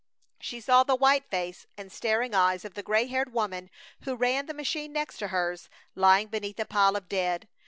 She saw the white face and staring eyes of the gray haired woman who ran the machine next to hers lying beneath a pile of dead.